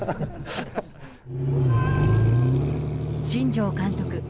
新庄監督